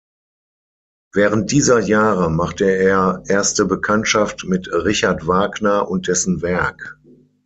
Während dieser Jahre machte er erste Bekanntschaft mit Richard Wagner und dessen Werk.